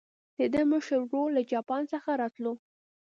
د ده مشر ورور له جاپان څخه راتللو.